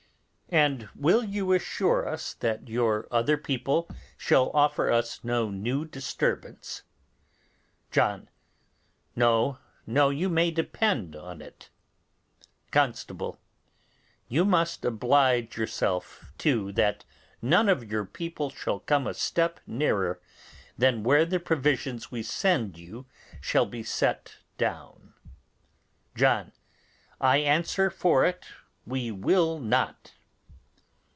And will you assure us that your other people shall offer us no new disturbance? John. No, no you may depend on it. Constable. You must oblige yourself, too, that none of your people shall come a step nearer than where the provisions we send you shall be set down. John. I answer for it we will not.